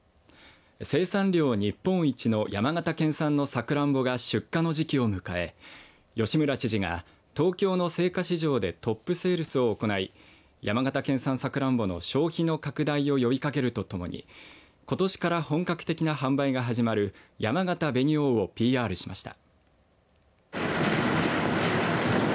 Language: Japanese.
生産量日本一の山形県産のさくらんぼが出荷の時期を迎え、吉村知事が東京の青果市場でトップセールスを行い山形県産さくらんぼの消費の拡大を呼びかけるとともにことしから本格的な販売が始まるやまがた紅王をＰＲしました。